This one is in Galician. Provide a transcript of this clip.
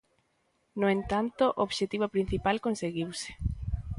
No entanto, o obxectivo principal conseguiuse.